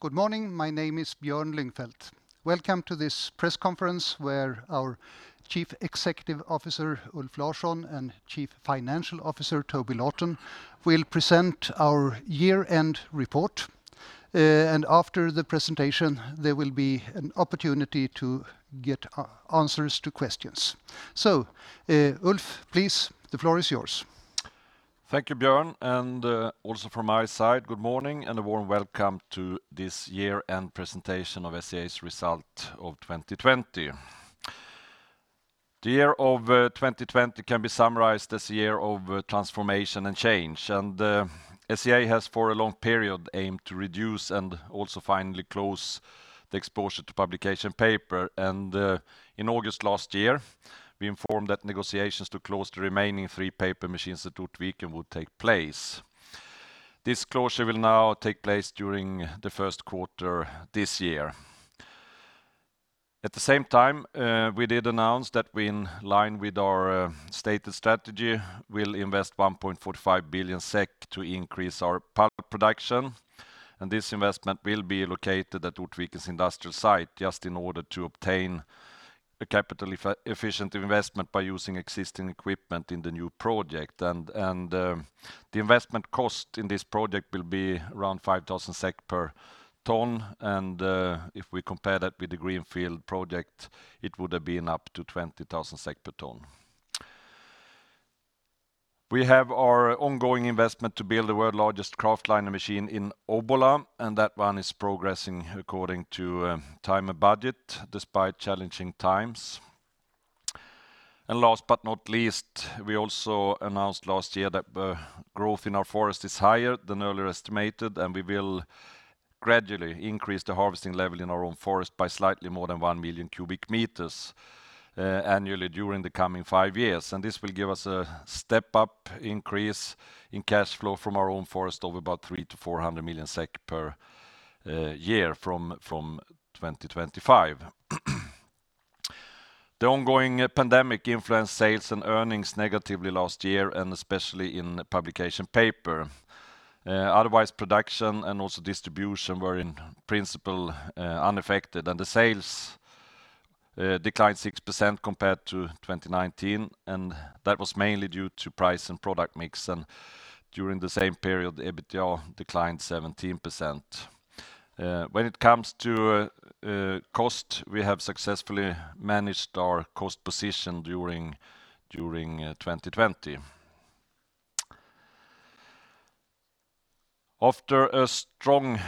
Good morning. My name is Björn Lyngfelt. Welcome to this press conference where our Chief Executive Officer, Ulf Larsson, and Chief Financial Officer, Toby Lawton, will present our year-end report. After the presentation, there will be an opportunity to get answers to questions. Ulf, please, the floor is yours. Thank you, Björn, and also from my side, good morning, and a warm welcome to this year-end presentation of SCA's result of 2020. The year of 2020 can be summarized as a year of transformation and change, and SCA has for a long period aimed to reduce and also finally close the exposure to publication paper. In August last year, we informed that negotiations to close the remaining three paper machines at Ortviken would take place. This closure will now take place during the first quarter this year. At the same time, we did announce that we, in line with our stated strategy, will invest 1.45 billion SEK to increase our pulp production, and this investment will be located at Ortviken's industrial site just in order to obtain a capital-efficient investment by using existing equipment in the new project. The investment cost in this project will be around 5,000 SEK per ton, and if we compare that with the greenfield project, it would have been up to 20,000 SEK per ton. We have our ongoing investment to build the world's largest kraftliner machine in Obbola, and that one is progressing according to time and budget despite challenging times. Last but not least, we also announced last year that growth in our forest is higher than earlier estimated, and we will gradually increase the harvesting level in our own forest by slightly more than 1 million cubic meters annually during the coming 5 years. This will give us a step-up increase in cash flow from our own forest of about SEK three to 400 million per year from 2025. The ongoing pandemic influenced sales and earnings negatively last year, and especially in publication paper. Otherwise, production and also distribution were, in principle, unaffected. Sales declined 6% compared to 2019. That was mainly due to price and product mix. During the same period, EBITDA declined 17%. When it comes to cost, we have successfully managed our cost position during 2020. After a strong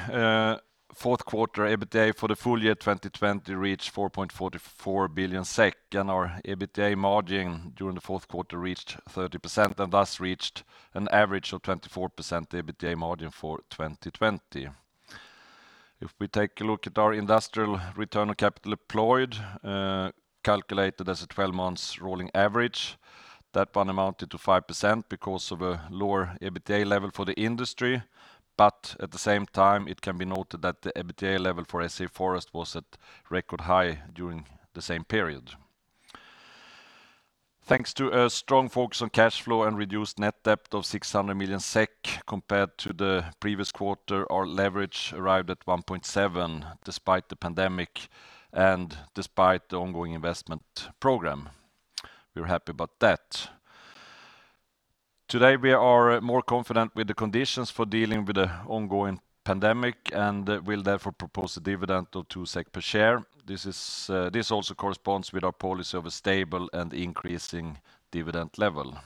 fourth quarter, EBITDA for the full year 2020 reached 4.44 billion SEK. Our EBITDA margin during the fourth quarter reached 30% and thus reached an average of 24% EBITDA margin for 2020. If we take a look at our industrial return on capital employed, calculated as a 12-months rolling average, that one amounted to 5% because of a lower EBITDA level for the industry. At the same time, it can be noted that the EBITDA level for SCA Forest was at record high during the same period. Thanks to a strong focus on cash flow and reduced net debt of 600 million SEK compared to the previous quarter, our leverage arrived at 1.7 despite the pandemic and despite the ongoing investment program. We're happy about that. Today, we are more confident with the conditions for dealing with the ongoing pandemic and will therefore propose a dividend of 2 SEK per share. This also corresponds with our policy of a stable and increasing dividend level.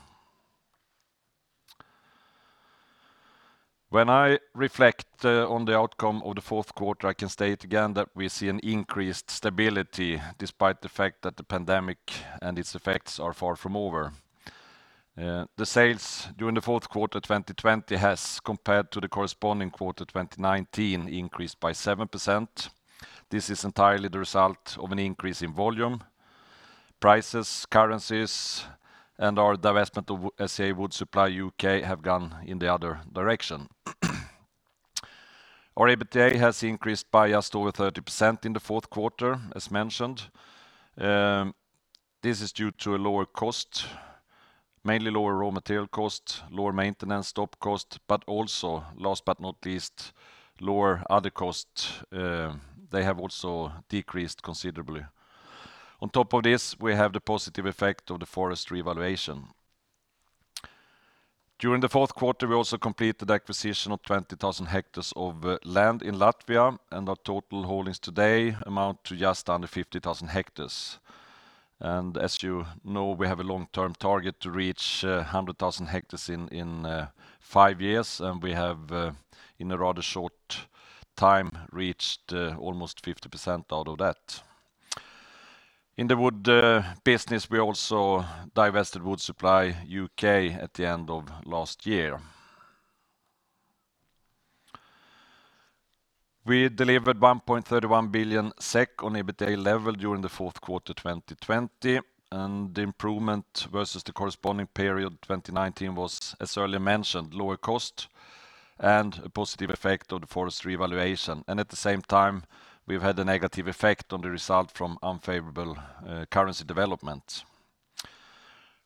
When I reflect on the outcome of the fourth quarter, I can state again that we see an increased stability despite the fact that the pandemic and its effects are far from over. The sales during the fourth quarter 2020 has, compared to the corresponding quarter 2019, increased by 7%. This is entirely the result of an increase in volume. Prices, currencies, and our divestment of SCA Wood Supply UK have gone in the other direction. Our EBITDA has increased by just over 30% in the fourth quarter, as mentioned. This is due to a lower cost, mainly lower raw material cost, lower maintenance stop cost, but also, last but not least, lower other costs. They have also decreased considerably. On top of this, we have the positive effect of the forest revaluation. During the fourth quarter, we also completed the acquisition of 20,000 hectares of land in Latvia, and our total holdings today amount to just under 50,000 hectares. As you know, we have a long-term target to reach 100,000 hectares in five years, and we have, in a rather short time, reached almost 50% out of that. In the wood business, we also divested Wood Supply UK at the end of last year. We delivered 1.31 billion SEK on EBITDA level during the fourth quarter 2020. The improvement versus the corresponding period 2019 was, as earlier mentioned, lower cost and a positive effect of the forest revaluation. At the same time, we've had a negative effect on the result from unfavorable currency development.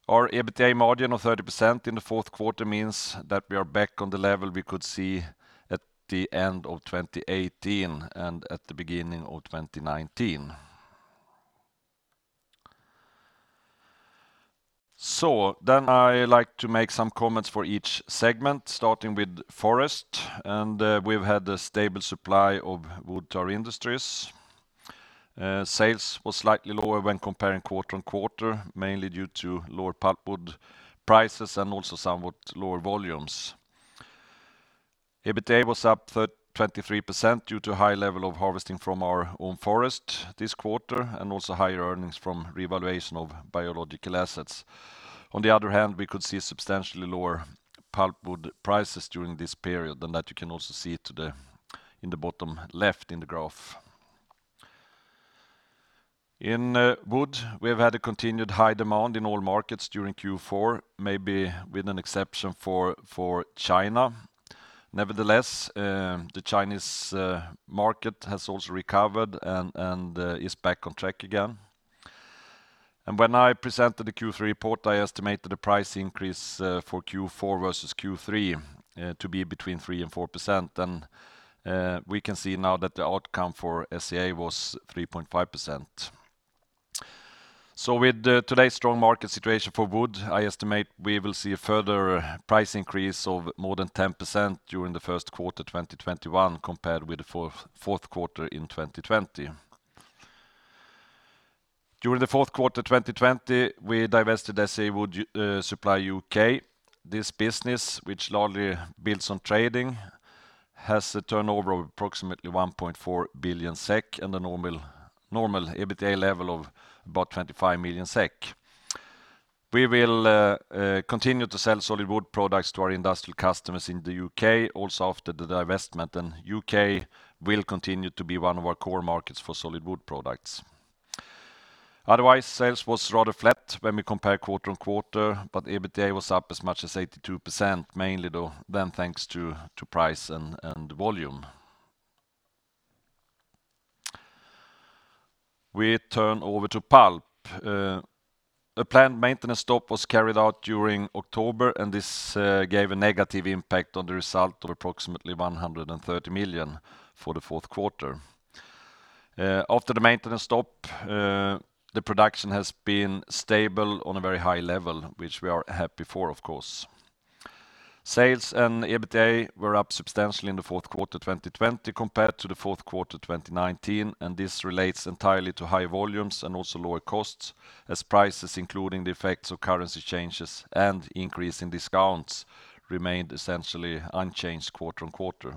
Our EBITDA margin of 30% in the fourth quarter means that we are back on the level we could see at the end of 2018 and at the beginning of 2019. I like to make some comments for each segment, starting with Forest. We've had a stable supply of wood to our industries. Sales was slightly lower when comparing quarter-on-quarter, mainly due to lower pulpwood prices and also somewhat lower volumes. EBITDA was up 23% due to high level of harvesting from our own forest this quarter, and also higher earnings from revaluation of biological assets. On the other hand, we could see substantially lower pulpwood prices during this period, and that you can also see today in the bottom left in the graph. In wood, we have had a continued high demand in all markets during Q4, maybe with an exception for China. Nevertheless, the Chinese market has also recovered and is back on track again. When I presented the Q3 report, I estimated the price increase for Q4 versus Q3 to be between 3% and 4%. We can see now that the outcome for SCA was 3.5%. With today's strong market situation for wood, I estimate we will see a further price increase of more than 10% during the first quarter 2021 compared with the fourth quarter in 2020. During the fourth quarter 2020, we divested SCA Wood Supply UK. This business, which largely builds on trading, has a turnover of approximately 1.4 billion SEK and a normal EBITDA level of about 25 million SEK. We will continue to sell solid wood products to our industrial customers in the UK also after the divestment, and UK will continue to be one of our core markets for solid wood products. Otherwise, sales was rather flat when we compare quarter-on-quarter, but EBITDA was up as much as 82%, mainly though then thanks to price and volume. We turn over to pulp. A planned maintenance stop was carried out during October, and this gave a negative impact on the result of approximately 130 million for the fourth quarter. After the maintenance stop, the production has been stable on a very high level, which we are happy for, of course. Sales and EBITDA were up substantially in the fourth quarter 2020 compared to the fourth quarter 2019, and this relates entirely to high volumes and also lower costs as prices, including the effects of currency changes and increase in discounts, remained essentially unchanged quarter on quarter.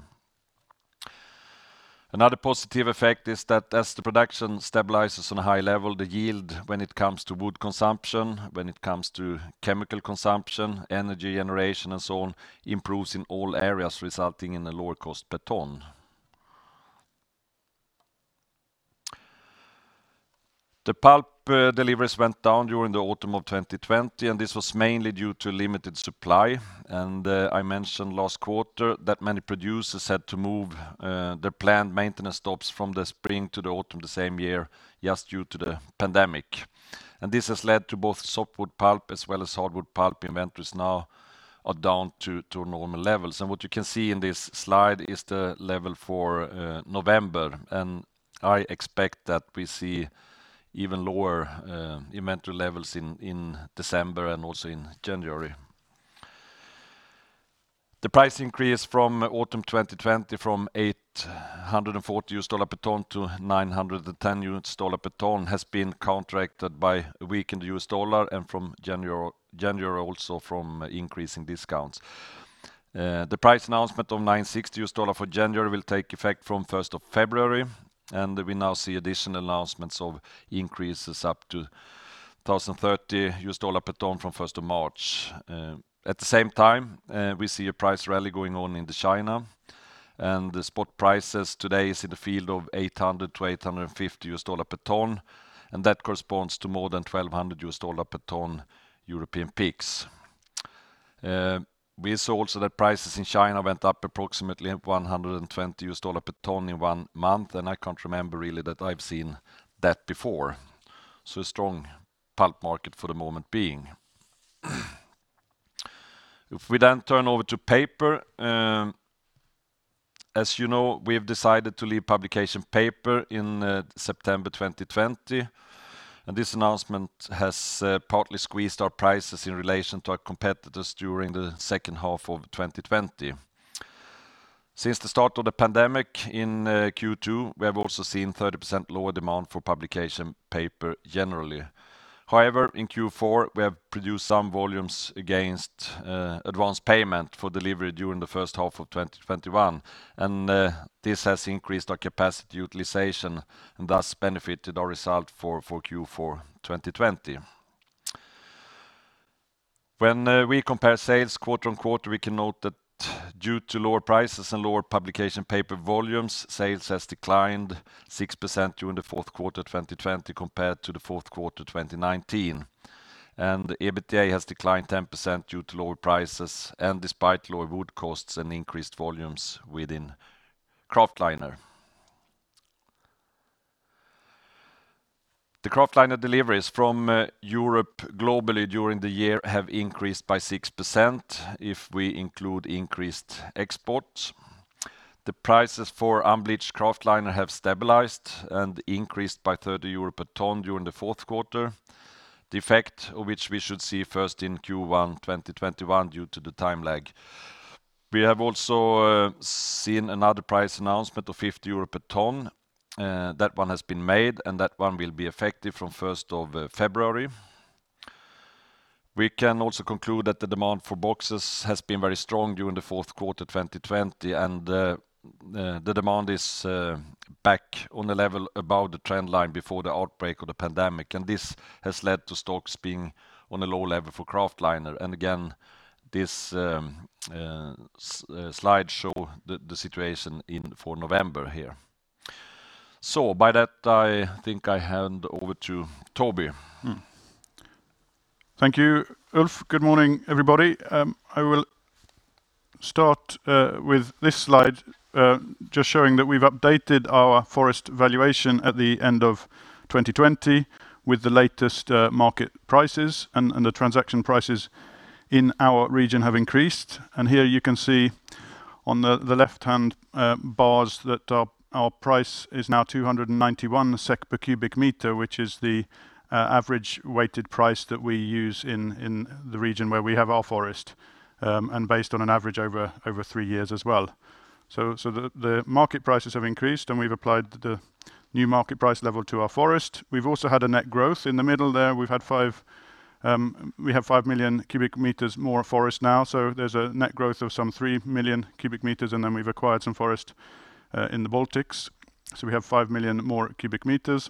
Another positive effect is that as the production stabilizes on a high level, the yield when it comes to wood consumption, when it comes to chemical consumption, energy generation, and so on, improves in all areas, resulting in a lower cost per ton. The pulp deliveries went down during the autumn of 2020. This was mainly due to limited supply. I mentioned last quarter that many producers had to move their planned maintenance stops from the spring to the autumn the same year just due to the pandemic. This has led to both softwood pulp as well as hardwood pulp inventories now are down to normal levels. What you can see in this slide is the level for November. I expect that we see even lower inventory levels in December and also in January. The price increase from autumn 2020 from $840 per ton to $910 per ton has been counteracted by a weakened U.S. dollar. From January also from increasing discounts. The price announcement of $960 for January will take effect from 1st of February. We now see additional announcements of increases up to $1,030 per ton from 1st of March. At the same time, we see a price rally going on into China. The spot prices today is in the field of $800-$850 per ton. That corresponds to more than $1,200 per ton European peaks. We saw also that prices in China went up approximately $120 per ton in one month. I can't remember really that I've seen that before. A strong pulp market for the moment being. If we then turn over to paper, as you know, we have decided to leave publication paper in September 2020, and this announcement has partly squeezed our prices in relation to our competitors during the second half of 2020. Since the start of the pandemic in Q2, we have also seen 30% lower demand for publication paper generally. In Q4, we have produced some volumes against advanced payment for delivery during the first half of 2021, and this has increased our capacity utilization and thus benefited our result for Q4 2020. When we compare sales quarter-on-quarter, we can note that due to lower prices and lower publication paper volumes, sales has declined 6% during the fourth quarter 2020 compared to the fourth quarter 2019. EBITDA has declined 10% due to lower prices and despite lower wood costs and increased volumes within kraftliner. The kraftliner deliveries from Europe globally during the year have increased by 6% if we include increased exports. The prices for unbleached kraftliner have stabilized and increased by 30 euro per ton during the fourth quarter, the effect of which we should see first in Q1 2021 due to the time lag. We have also seen another price announcement of 50 euro per ton. That one has been made, and that one will be effective from 1st of February. We can also conclude that the demand for boxes has been very strong during the fourth quarter 2020, and the demand is back on a level above the trend line before the outbreak of the pandemic. This has led to stocks being on a low level for kraftliner. Again, this slide show the situation for November here. By that, I think I hand over to Toby. Thank you, Ulf. Good morning, everybody. I will start with this slide just showing that we've updated our forest valuation at the end of 2020 with the latest market prices. The transaction prices in our region have increased. Here you can see on the left-hand bars that our price is now 291 SEK per cubic meter, which is the average weighted price that we use in the region where we have our forest, and based on an average over three years as well. The market prices have increased, and we've applied the new market price level to our forest. We've also had a net growth. In the middle there, we have 5 million cubic meters more forest now, so there's a net growth of some 3 million cubic meters, and then we've acquired some forest in the Baltics. We have 5 million more cubic meters.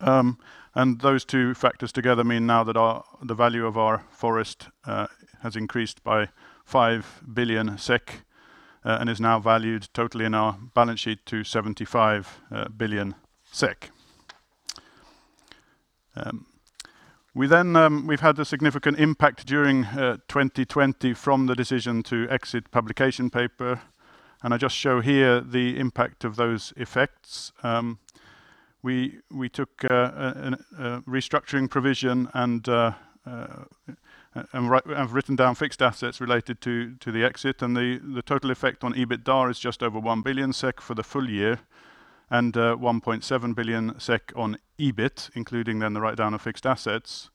Those two factors together mean now that the value of our forest has increased by 5 billion SEK and is now valued totally in our balance sheet to 75 billion SEK. We've had a significant impact during 2020 from the decision to exit publication paper, and I just show here the impact of those effects. We took a restructuring provision and have written down fixed assets related to the exit, and the total effect on EBITDA is just over 1 billion SEK for the full year and 1.7 billion SEK on EBIT, including then the write-down of fixed assets.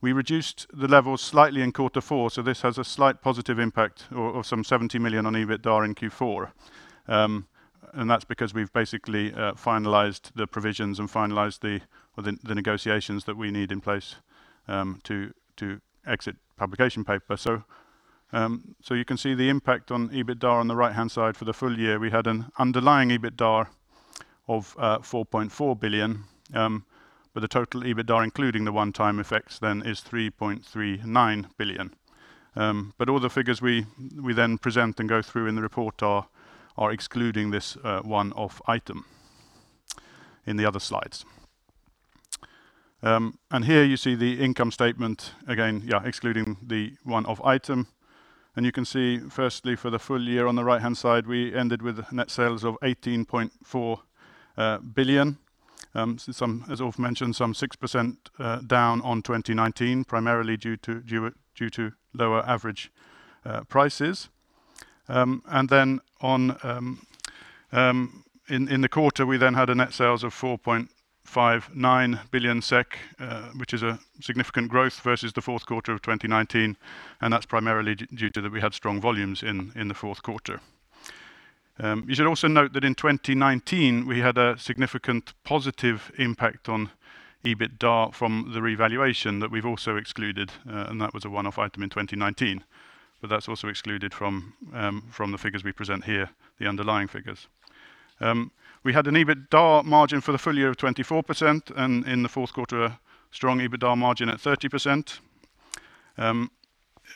We reduced the levels slightly in quarter four, so this has a slight positive impact of some 70 million SEK on EBITDA in Q4. That's because we've basically finalized the provisions and finalized the negotiations that we need in place to exit publication paper. You can see the impact on EBITDA on the right-hand side for the full year. We had an underlying EBITDA of 4.4 billion, but the total EBITDA, including the one-time effects then, is 3.39 billion. All the figures we then present and go through in the report are excluding this one-off item in the other slides. Here you see the income statement, again, excluding the one-off item. You can see, firstly, for the full year on the right-hand side, we ended with net sales of 18.4 billion. As Ulf mentioned, some 6% down on 2019, primarily due to lower average prices. In the quarter, we then had a net sales of 4.59 billion SEK, which is a significant growth versus the fourth quarter of 2019, and that's primarily due to that we had strong volumes in the fourth quarter. You should also note that in 2019, we had a significant positive impact on EBITDA from the revaluation that we've also excluded, and that was a one-off item in 2019, but that's also excluded from the figures we present here, the underlying figures. We had an EBITDA margin for the full year of 24%, and in the fourth quarter, a strong EBITDA margin at 30%.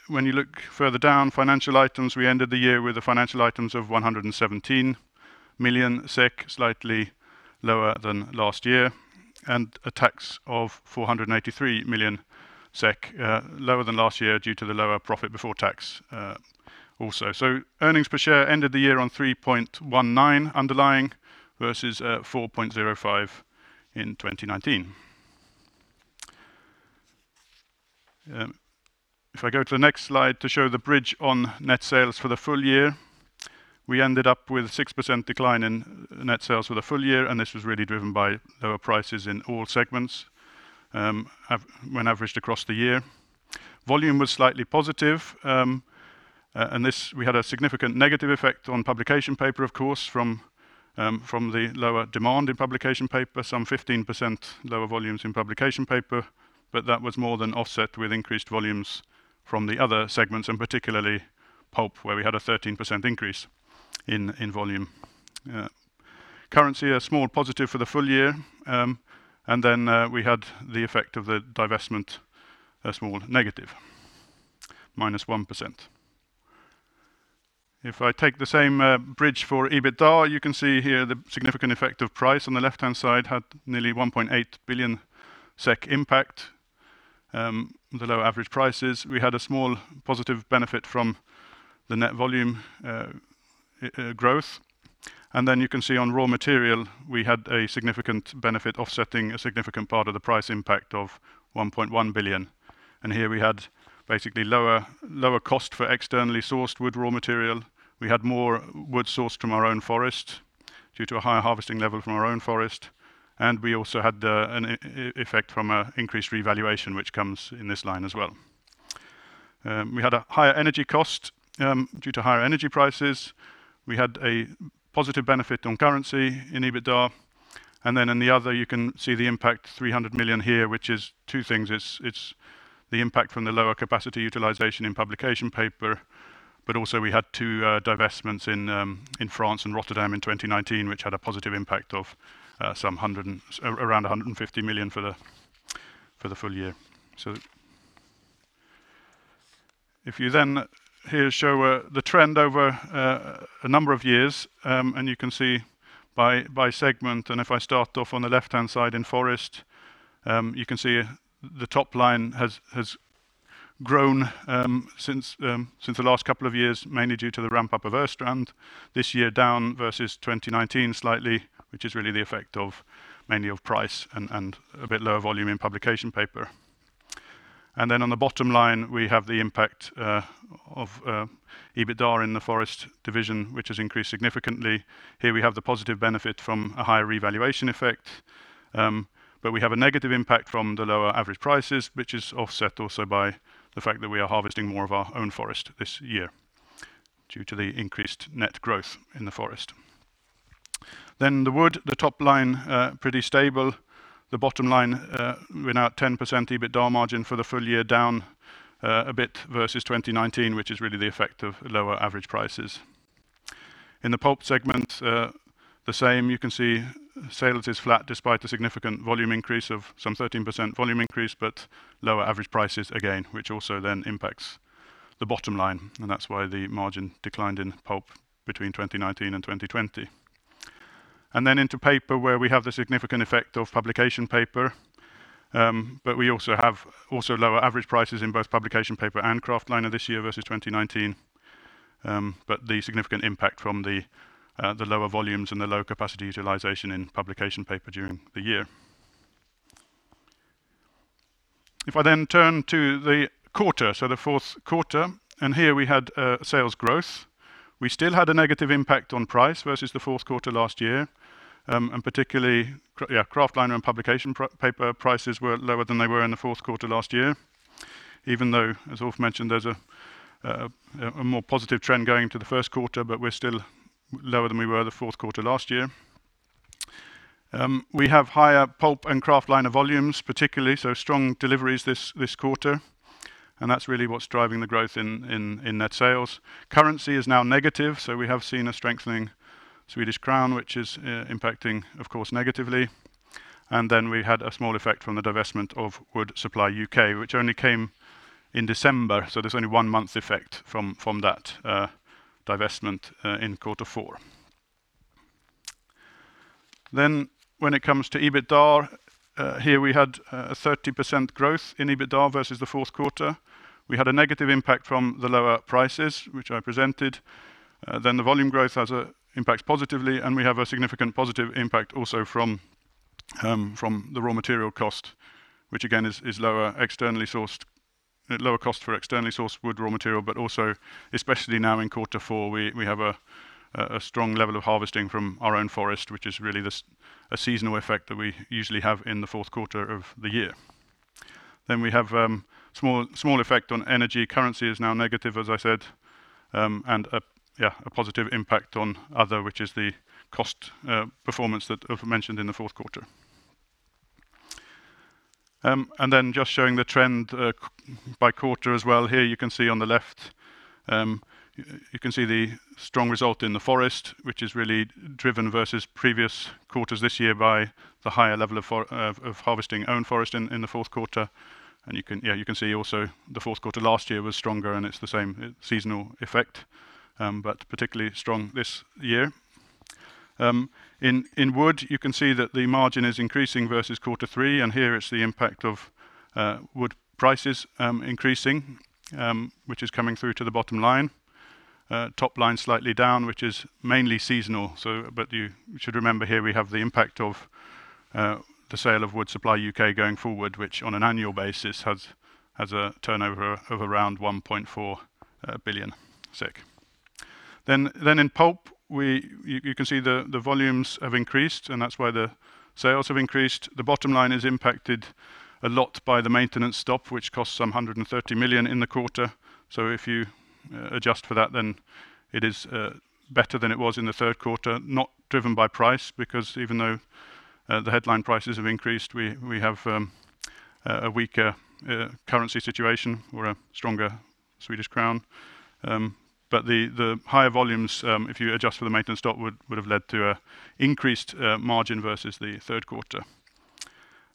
When you look further down, financial items, we ended the year with the financial items of 117 million SEK, slightly lower than last year, and a tax of 483 million SEK, lower than last year due to the lower profit before tax also. Earnings per share ended the year on 3.19 underlying versus 4.05 in 2019. If I go to the next slide to show the bridge on net sales for the full year, we ended up with 6% decline in net sales for the full year. This was really driven by lower prices in all segments when averaged across the year. Volume was slightly positive. We had a significant negative effect on publication paper, of course, from the lower demand in publication paper, some 15% lower volumes in publication paper. That was more than offset with increased volumes from the other segments, particularly pulp, where we had a 13% increase in volume. Currency, a small positive for the full year. We had the effect of the divestment, a small negative, minus 1%. If I take the same bridge for EBITDA, you can see here the significant effect of price on the left-hand side had nearly 1.8 billion SEK impact. The lower average prices, we had a small positive benefit from the net volume growth. Then you can see on raw material, we had a significant benefit offsetting a significant part of the price impact of 1.1 billion SEK. Here we had basically lower cost for externally sourced wood raw material. We had more wood sourced from our own forest due to a higher harvesting level from our own forest. We also had an effect from increased revaluation, which comes in this line as well. We had a higher energy cost due to higher energy prices. We had a positive benefit on currency in EBITDA. Then in the other, you can see the impact 300 million SEK here, which is two things. It's the impact from the lower capacity utilization in publication paper, but also we had two divestments in France and Rotterdam in 2019, which had a positive impact of around 150 million for the full year. If you then here show the trend over a number of years, and you can see by segment, and if I start off on the left-hand side in Forest, you can see the top line has grown since the last couple of years, mainly due to the ramp-up of Östrand. It is this year down versus 2019 slightly, which is really the effect of mainly of price and a bit lower volume in publication paper. On the bottom line, we have the impact of EBITDA in the Forest division, which has increased significantly. Here we have the positive benefit from a higher revaluation effect, but we have a negative impact from the lower average prices, which is offset also by the fact that we are harvesting more of our own forest this year due to the increased net growth in the forest. The wood, the top line, pretty stable. The bottom line, we're now at 10% EBITDA margin for the full year down a bit versus 2019, which is really the effect of lower average prices. In the pulp segment, the same, you can see sales is flat despite a significant volume increase of some 13% volume increase, but lower average prices again, which also then impacts the bottom line. That's why the margin declined in pulp between 2019 and 2020. Into paper, where we have the significant effect of publication paper, but we also have lower average prices in both publication paper and kraftliner this year versus 2019. The significant impact from the lower volumes and the lower capacity utilization in publication paper during the year. If I then turn to the quarter, so the fourth quarter, here we had sales growth. We still had a negative impact on price versus the fourth quarter last year, and particularly, kraftliner and publication paper prices were lower than they were in the fourth quarter last year, even though, as Ulf mentioned, there's a more positive trend going to the first quarter, but we're still lower than we were the fourth quarter last year. We have higher pulp and kraftliner volumes, particularly, strong deliveries this quarter. That's really what's driving the growth in net sales. Currency is now negative, so we have seen a strengthening Swedish crown, which is impacting, of course, negatively. Then we had a small effect from the divestment of Wood Supply UK, which only came in December, so there's only one month's effect from that divestment in quarter four. When it comes to EBITDA, here we had a 30% growth in EBITDA versus the fourth quarter. We had a negative impact from the lower prices, which I presented. The volume growth has impacts positively, and we have a significant positive impact also from the raw material cost, which again is lower externally sourced, lower cost for externally sourced wood raw material, but also especially now in quarter four, we have a strong level of harvesting from our own forest, which is really a seasonal effect that we usually have in the fourth quarter of the year. We have small effect on energy. Currency is now negative, as I said. Yeah, a positive impact on other, which is the cost performance that Ulf mentioned in the fourth quarter. Just showing the trend by quarter as well. Here you can see on the left, you can see the strong result in SCA Forest, which is really driven versus previous quarters this year by the higher level of harvesting own forest in the fourth quarter. You can see also the fourth quarter last year was stronger. It's the same seasonal effect, but particularly strong this year. In SCA Wood, you can see that the margin is increasing versus quarter three. Here it's the impact of wood prices increasing, which is coming through to the bottom line. Top line slightly down, which is mainly seasonal, you should remember here we have the impact of the sale of Wood Supply UK going forward, which on an annual basis has a turnover of around 1.4 billion SEK. In pulp, you can see the volumes have increased, and that's why the sales have increased. The bottom line is impacted a lot by the maintenance stop, which costs some 130 million in the quarter. If you adjust for that, then it is better than it was in the third quarter. Not driven by price, because even though the headline prices have increased, we have a weaker currency situation or a stronger Swedish crown. The higher volumes, if you adjust for the maintenance stop, would have led to an increased margin versus the third quarter.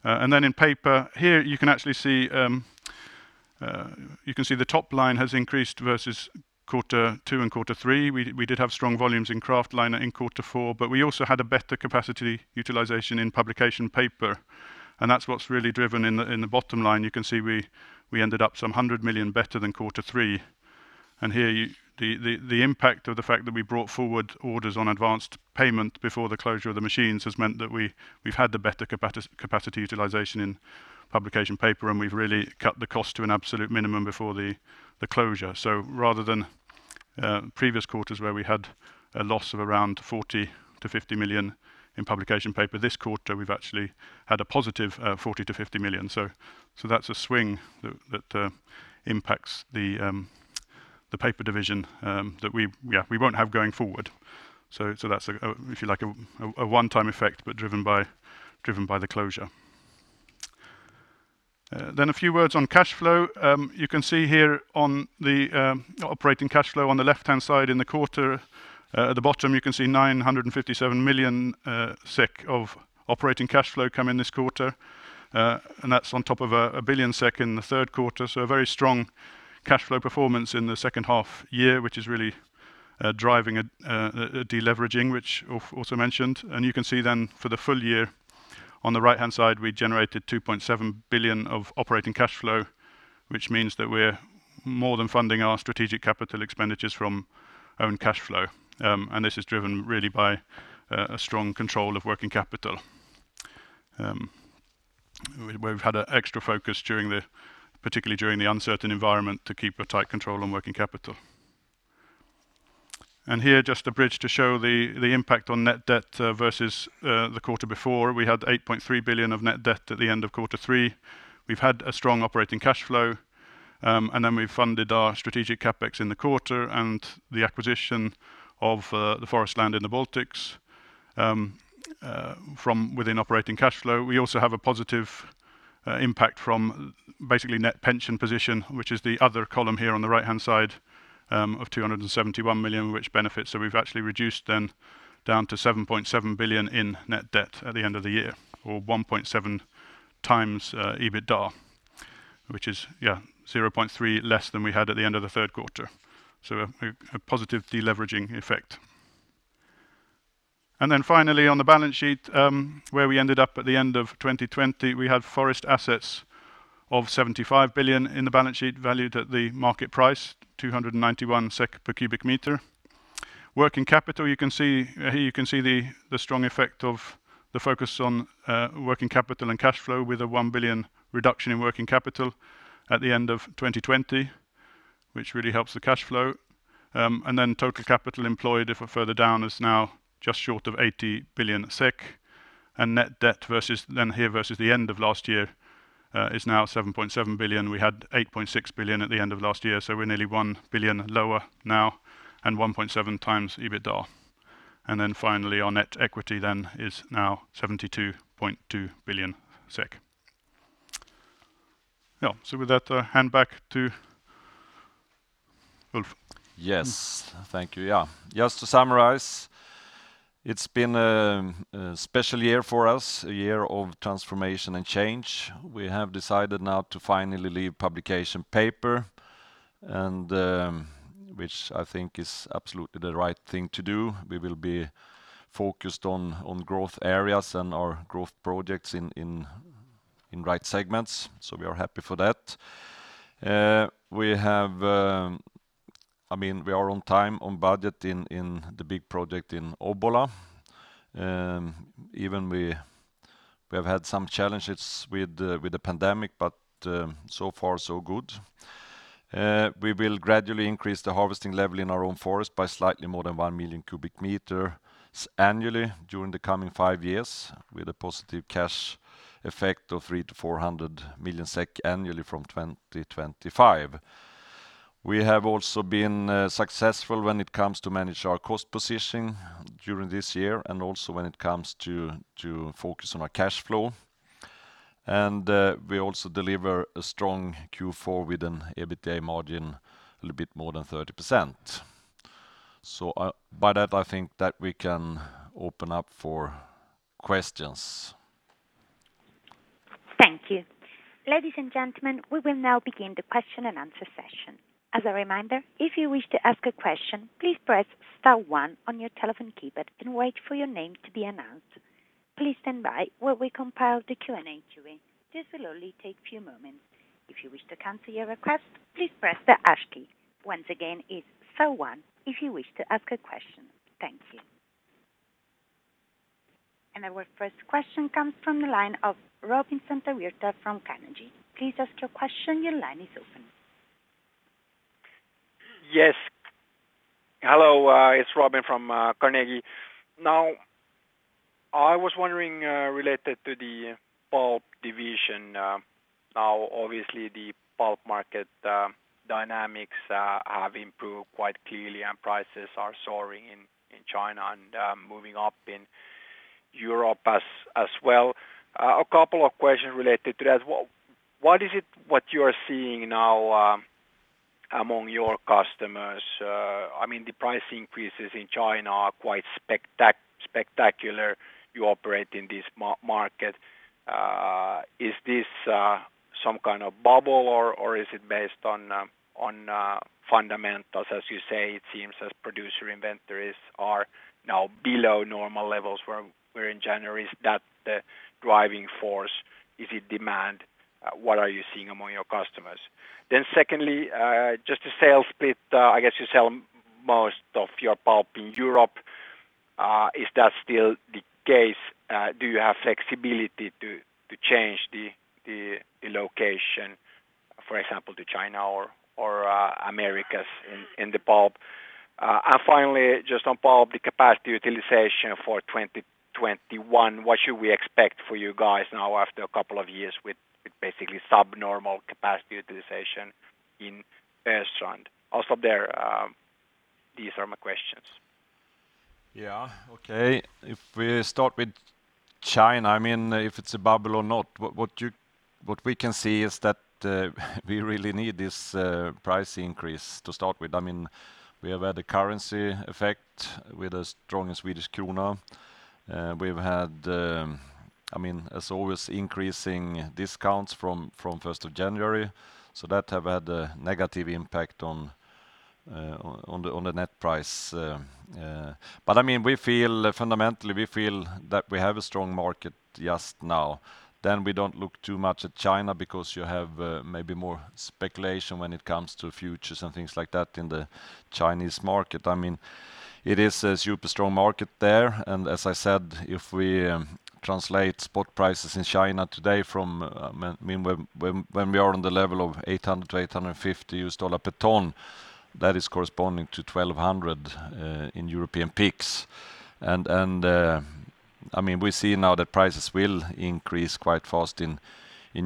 In paper, you can see the top line has increased versus quarter two and quarter three. We did have strong volumes in kraftliner in quarter four, but we also had a better capacity utilization in publication paper, and that's what's really driven in the bottom line. You can see we ended up some 100 million better than quarter three. Here, the impact of the fact that we brought forward orders on advanced payment before the closure of the machines has meant that we've had the better capacity utilization in publication paper, and we've really cut the cost to an absolute minimum before the closure. Rather than previous quarters where we had a loss of around 40 million-50 million in publication paper, this quarter, we've actually had a positive 40 million-50 million. That's a swing that impacts the paper division that we won't have going forward. That's, if you like, a one-time effect, but driven by the closure. A few words on cash flow. You can see here on the operating cash flow on the left-hand side in the quarter, at the bottom, you can see 957 million SEK of operating cash flow come in this quarter. That's on top of 1 billion SEK in the third quarter. A very strong cash flow performance in the second half year, which is really driving a de-leveraging, which Ulf also mentioned. You can see then for the full year, on the right-hand side, we generated 2.7 billion of operating cash flow, which means that we're more than funding our strategic CapEx from own cash flow. This is driven really by a strong control of working capital, where we've had extra focus, particularly during the uncertain environment, to keep a tight control on working capital. Here, just a bridge to show the impact on net debt versus the quarter before. We had 8.3 billion of net debt at the end of Q3. We've had a strong operating cash flow, and then we've funded our strategic CapEx in the quarter and the acquisition of the forest land in the Baltics from within operating cash flow. We also have a positive impact from basically net pension position, which is the other column here on the right-hand side, of 271 million, which benefits. We've actually reduced then down to 7.7 billion in net debt at the end of the year or 1.7x EBITDA, which is 0.3 less than we had at the end of the third quarter. A positive deleveraging effect. Finally, on the balance sheet, where we ended up at the end of 2020, we had forest assets of 75 billion in the balance sheet valued at the market price, 291 SEK per cubic meter. Working capital, here you can see the strong effect of the focus on working capital and cash flow with a 1 billion reduction in working capital at the end of 2020, which really helps the cash flow. Total capital employed further down is now just short of 80 billion SEK, and net debt then here versus the end of last year is now 7.7 billion. We had 8.6 billion at the end of last year, so we're nearly 1 billion lower now and 1.7 times EBITDA. Finally, our net equity then is now 72.2 billion SEK. Yeah. With that, I hand back to Ulf. Yes. Thank you. Yeah. Just to summarize, it's been a special year for us, a year of transformation and change. We have decided now to finally leave publication paper, which I think is absolutely the right thing to do. We will be focused on growth areas and our growth projects in right segments, so we are happy for that. We are on time, on budget in the big project in Obbola. Even we have had some challenges with the pandemic, but so far so good. We will gradually increase the harvesting level in our own forest by slightly more than 1 million cubic meters annually during the coming five years with a positive cash effect of 300 million-400 million SEK annually from 2025. We have also been successful when it comes to manage our cost position during this year and also when it comes to focus on our cash flow. We also deliver a strong Q4 with an EBITDA margin a little bit more than 30%. By that, I think that we can open up for questions. Thank you. Ladies and gentlemen, we will now begin the question and answer session. As a reminder, if you wish to ask a question, please press star one on your telephone keypad and wait for your name to be announced. Please stand by while we compile the Q&A queue. This will only take few moments. If you wish to cancel your request, please press the hash key. Once again, it's star one if you wish to ask a question. Thank you. Our first question comes from the line of Robin Santavirta from Carnegie. Please ask your question. Your line is open. Yes. Hello, it's Robin from Carnegie. I was wondering, related to the pulp division, obviously the pulp market dynamics have improved quite clearly and prices are soaring in China and moving up in Europe as well. A couple of questions related to that. What is it what you are seeing now? Among your customers, the price increases in China are quite spectacular. You operate in this market. Is this some kind of bubble, or is it based on fundamentals? As you say, it seems as producer inventories are now below normal levels, where in January is that the driving force? Is it demand? What are you seeing among your customers? Secondly, just a sales bit. I guess you sell most of your pulp in Europe. Is that still the case? Do you have flexibility to change the location, for example, to China or Americas in the pulp? Finally, just on pulp, the capacity utilization for 2021, what should we expect for you guys now after a couple of years with basically sub-normal capacity utilization in Östrand? Also there, these are my questions. Yeah. Okay. If we start with China, if it's a bubble or not, what we can see is that we really need this price increase to start with. We have had a currency effect with a strong Swedish krona. That have had, as always, increasing discounts from 1st of January, a negative impact on the net price. Fundamentally, we feel that we have a strong market just now. We don't look too much at China because you have maybe more speculation when it comes to futures and things like that in the Chinese market. It is a super strong market there. As I said, if we translate spot prices in China today from when we are on the level of $800-$850 per ton, that is corresponding to 1,200 in European peaks. We see now that prices will increase quite fast in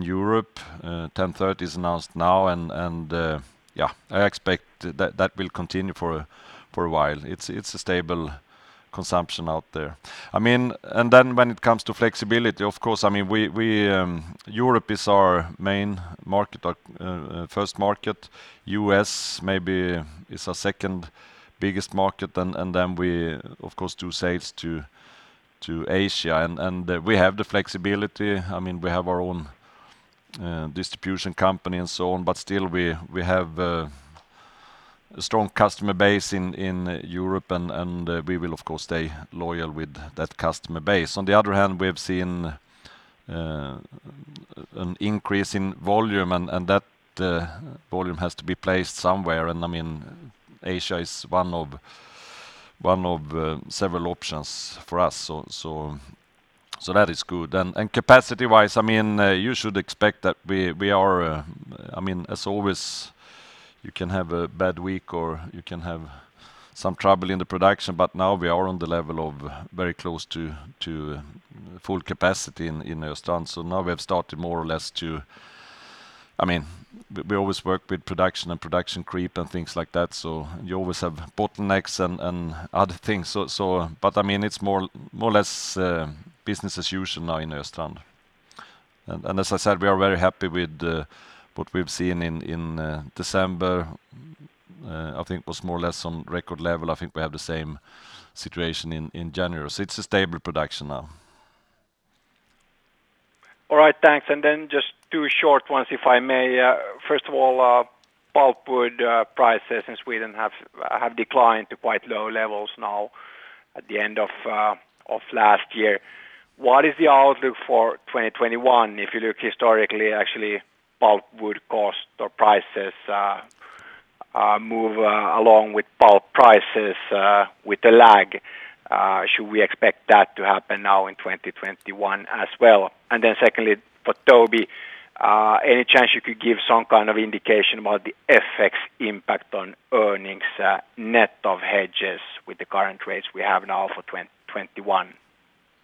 Europe. 1,030 is announced now, and yeah, I expect that will continue for a while. It's a stable consumption out there. When it comes to flexibility, of course, Europe is our main market, our first market. U.S. maybe is our second biggest market, we, of course, do sales to Asia. We have the flexibility. We have our own distribution company and so on, but still we have a strong customer base in Europe and we will, of course, stay loyal with that customer base. On the other hand, we have seen an increase in volume, and that volume has to be placed somewhere. Asia is one of several options for us, that is good. Capacity-wise, you should expect that we are, as always, you can have a bad week or you can have some trouble in the production, but now we are on the level of very close to full capacity in Östrand. Now we have started more or less. We always work with production and production creep and things like that, so you always have bottlenecks and other things. It's more or less business as usual now in Östrand. As I said, we are very happy with what we've seen in December. I think it was more or less on record level. I think we have the same situation in January. It's a stable production now. All right. Thanks. Just two short ones, if I may. First of all, pulpwood prices in Sweden have declined to quite low levels now at the end of last year. What is the outlook for 2021? If you look historically, actually, pulpwood cost or prices move along with pulp prices with a lag. Should we expect that to happen now in 2021 as well? Secondly, for Toby, any chance you could give some kind of indication about the FX impact on earnings net of hedges with the current rates we have now for 2021?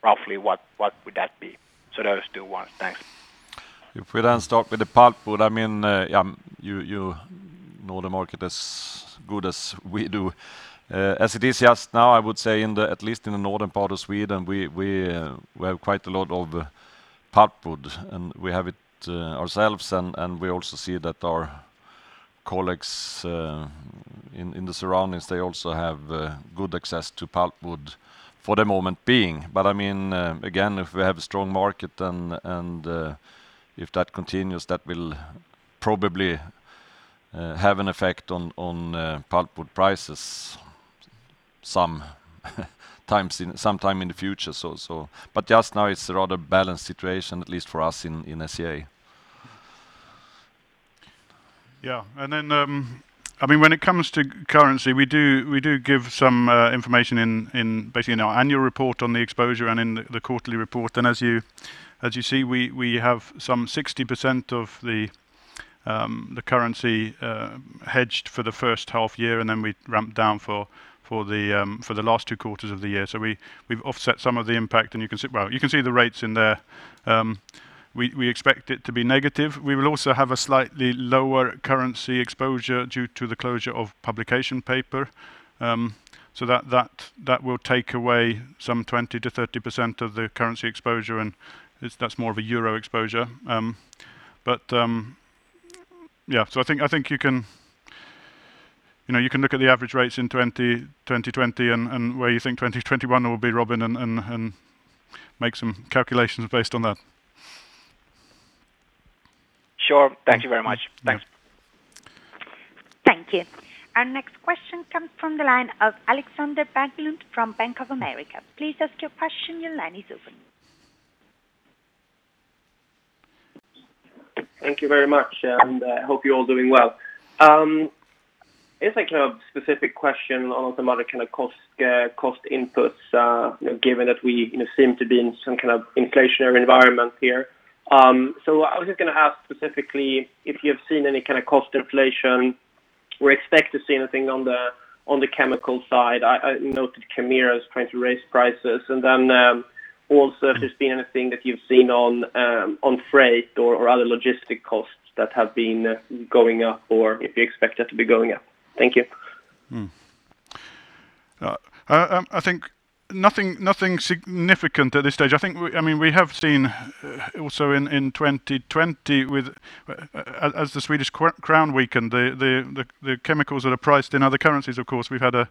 Roughly, what would that be? Those two ones. Thanks. We then start with the pulpwood, you know the market as good as we do. As it is just now, I would say at least in the northern part of Sweden, we have quite a lot of pulpwood, and we have it ourselves, and we also see that our colleagues in the surroundings, they also have good access to pulpwood for the moment being. Again, if we have a strong market and if that continues, that will probably have an effect on pulpwood prices sometime in the future. Just now it's a rather balanced situation, at least for us in SCA. Then when it comes to currency, we do give some information basically in our annual report on the exposure and in the quarterly report. As you see, we have some 60% of the currency hedged for the first half-year, then we ramp down for the last two quarters of the year. We've offset some of the impact, and you can see the rates in there. We expect it to be negative. We will also have a slightly lower currency exposure due to the closure of Publication Paper. That will take away some 20%-30% of the currency exposure, and that's more of a EUR exposure. I think you can look at the average rates in 2020 and where you think 2021 will be, Robin, and make some calculations based on that. Sure. Thank you very much. Thanks. Thank you. Our next question comes from the line of Alexander Berglund from Bank of America. Thank you very much. I hope you're all doing well. It's actually a specific question on some other cost inputs, given that we seem to be in some kind of inflationary environment here. I was just going to ask specifically if you have seen any kind of cost inflation or expect to see anything on the chemical side? I noted Kemira is trying to raise prices, and then also if there's been anything that you've seen on freight or other logistic costs that have been going up, or if you expect that to be going up. Thank you. I think nothing significant at this stage. We have seen also in 2020 as the Swedish crown weakened, the chemicals that are priced in other currencies, of course, we've had a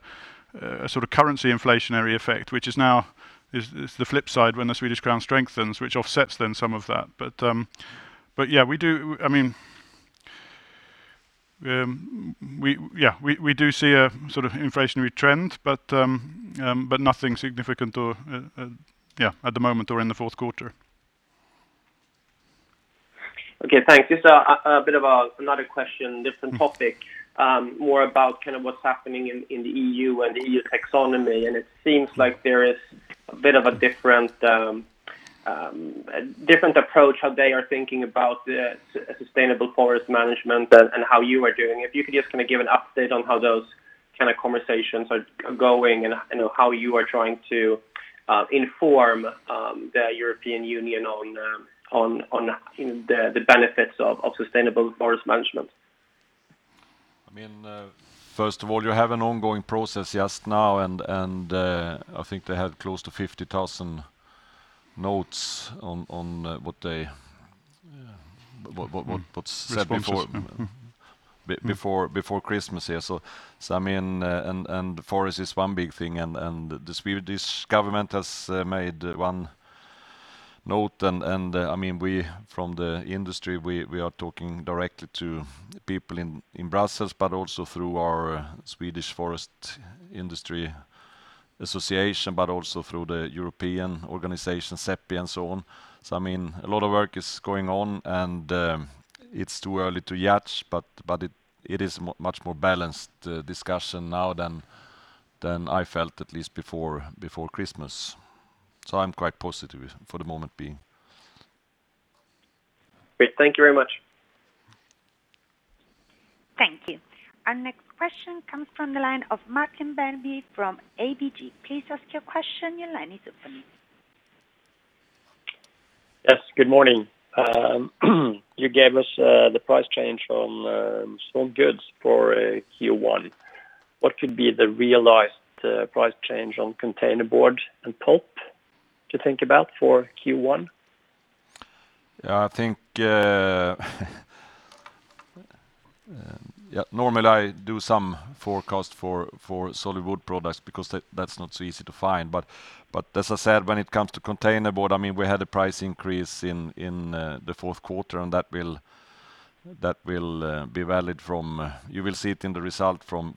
sort of currency inflationary effect, which is now the flip side when the Swedish crown strengthens, which offsets then some of that. We do see a sort of inflationary trend, but nothing significant at the moment or in the fourth quarter. Okay, thanks. Just a bit of another question, different topic, more about kind of what's happening in the EU and the EU taxonomy. It seems like there is a bit of a different approach, how they are thinking about the sustainable forest management and how you are doing. If you could just give an update on how those kind of conversations are going, and how you are trying to inform the European Union on the benefits of sustainable forest management. First of all, you have an ongoing process just now. I think they had close to 50,000 notes on what's said. Yeah. Before Christmas, yeah. The forest is one big thing, and the Swedish government has made one note, and we, from the industry, we are talking directly to people in Brussels, but also through our Swedish Forest Industries Federation, but also through the European organization, CEPI, and so on. A lot of work is going on, and it's too early to judge, but it is much more balanced discussion now than I felt at least before Christmas. I'm quite positive for the moment being. Great. Thank you very much. Thank you. Our next question comes from the line of Martin Melbye from ABG. Please ask your question. Your line is open. Yes, good morning. You gave us the price change on some goods for Q1. What could be the realized price change on containerboard and pulp to think about for Q1? I think, normally I do some forecast for solid wood products because that's not so easy to find. As I said, when it comes to containerboard, we had a price increase in the fourth quarter. That will be valid. You will see it in the result from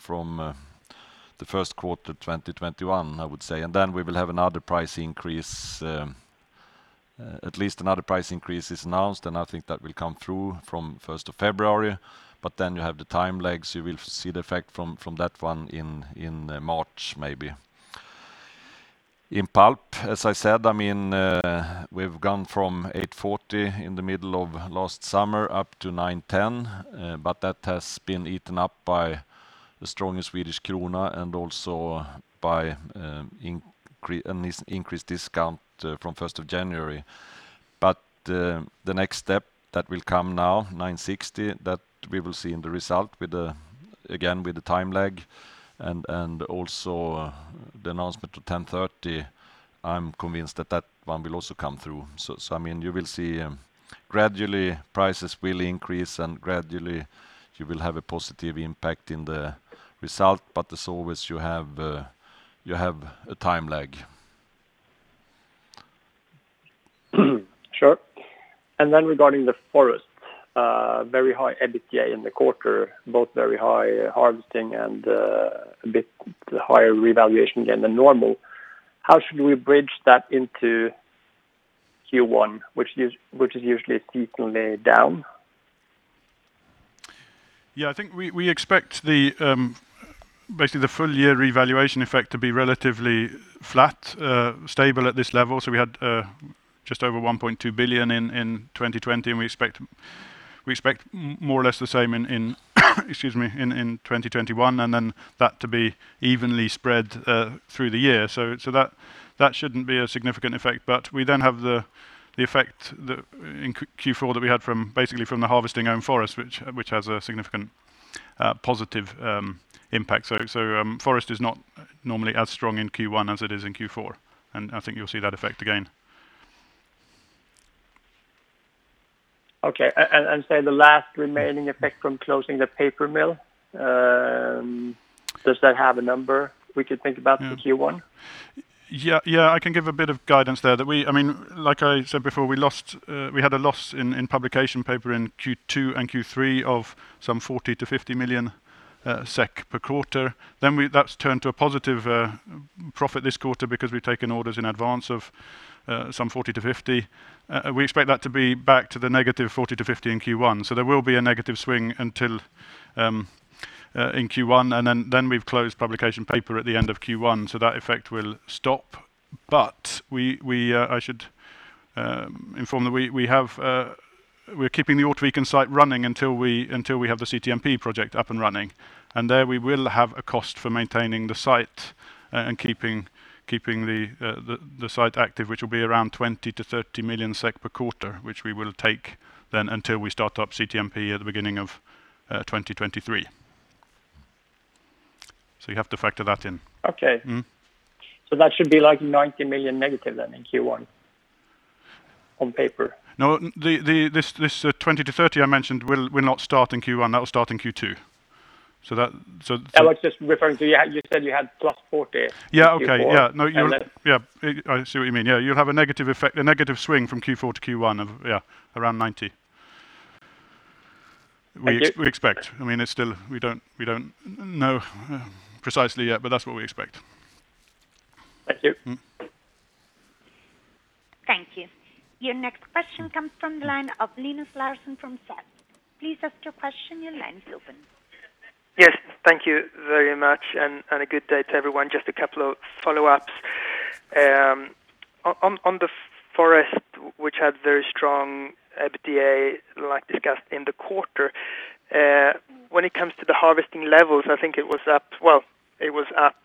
the first quarter 2021, I would say. We will have another price increase, at least another price increase is announced. I think that will come through from 1st of February. You have the time lags. You will see the effect from that one in March, maybe. In pulp, as I said, we've gone from $840 in the middle of last summer up to $910. That has been eaten up by the strong SEK and also by an increased discount from 1st of January. The next step that will come now, $960, that we will see in the result again with the time lag, and also the announcement to $1,030, I'm convinced that that one will also come through. You will see gradually prices will increase, and gradually you will have a positive impact in the result. As always, you have a time lag. Sure. Regarding the forest, very high EBITDA in the quarter, both very high harvesting and a bit higher revaluation again than normal. How should we bridge that into Q1, which is usually seasonally down? Yeah, I think we expect basically the full year revaluation effect to be relatively flat, stable at this level. We had just over 1.2 billion in 2020, we expect more or less the same in, excuse me, in 2021, then that to be evenly spread through the year. That shouldn't be a significant effect. We then have the effect in Q4 that we had basically from the harvesting own Forest, which has a significant positive impact. Forest is not normally as strong in Q1 as it is in Q4, I think you'll see that effect again. Okay. Say the last remaining effect from closing the paper mill, does that have a number we could think about for Q1? Yeah, I can give a bit of guidance there. Like I said before, we had a loss in publication paper in Q2 and Q3 of some 40 million-50 million SEK per quarter. That's turned to a positive profit this quarter because we've taken orders in advance of some 40 million-50 million. We expect that to be back to the negative 40 million-50 million in Q1. There will be a negative swing until in Q1, we've closed publication paper at the end of Q1, that effect will stop. I should inform that we're keeping the Ortviken site running until we have the CTMP project up and running. There we will have a cost for maintaining the site and keeping the site active, which will be around 20 million-30 million SEK per quarter, which we will take then until we start up CTMP at the beginning of 2023. You have to factor that in. Okay. That should be like 90 million negative then in Q1 on paper. No, this 20-30 I mentioned will not start in Q1. That will start in Q2. I was just referring to you said you had +40% in Q4. Yeah. Okay. Yeah. I see what you mean. Yeah, you'll have a negative effect, a negative swing from Q4 to Q1 of around SEK 90. We expect. We don't know precisely yet, but that's what we expect. Thank you. Thank you. Your next question comes from the line of Linus Larsson from SEB. Please ask your question. Your line is open. Yes, thank you very much, and a good day to everyone. Just a couple of follow-ups. On the forest, which had very strong EBITDA, like discussed in the quarter. When it comes to the harvesting levels, I think it was up, well, it was up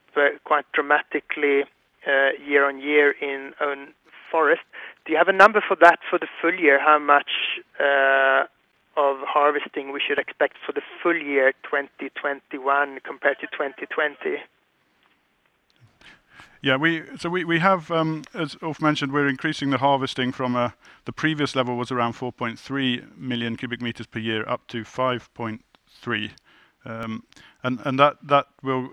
quite dramatically year-on-year in own forest. Do you have a number for that for the full year? How much of harvesting we should expect for the full year 2021 compared to 2020? Yeah. We have, as Ulf mentioned, we're increasing the harvesting from the previous level was around 4.3 million cubic meters per year up to 5.3. That will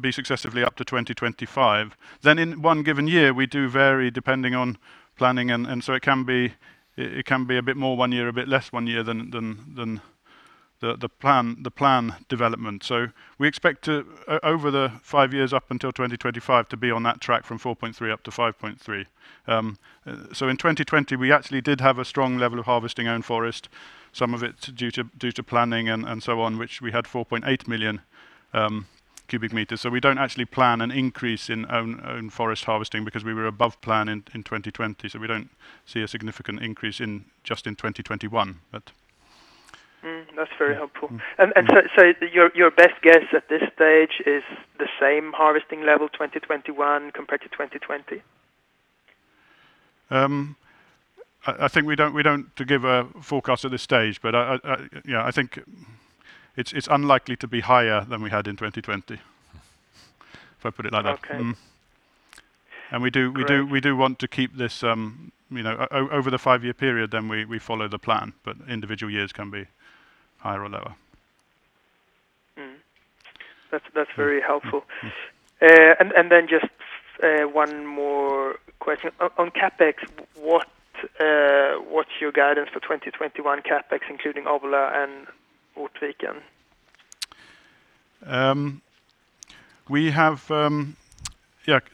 be successively up to 2025. In one given year, we do vary depending on planning and so it can be a bit more one year, a bit less one year than the plan development. We expect over the five years up until 2025 to be on that track from 4.3 up to 5.3. In 2020, we actually did have a strong level of harvesting own forest, some of it due to planning and so on, which we had 4.8 million cubic meters. We don't actually plan an increase in own forest harvesting because we were above plan in 2020. We don't see a significant increase just in 2021, but. That's very helpful. Your best guess at this stage is the same harvesting level 2021 compared to 2020? I think we don't give a forecast at this stage, but I think it's unlikely to be higher than we had in 2020, if I put it like that. Okay. We do want to keep this over the five-year period, then we follow the plan, but individual years can be higher or lower. That's very helpful. Then just one more question. On CapEx, what's your guidance for 2021 CapEx, including Obbola and Ortviken?